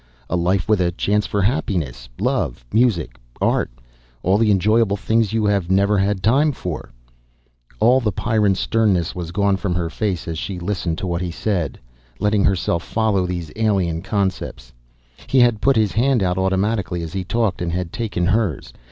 A life with a chance for happiness, love, music, art all the enjoyable things you have never had the time for." All the Pyrran sternness was gone from her face as she listened to what he said, letting herself follow these alien concepts. He had put his hand out automatically as he talked, and had taken hers.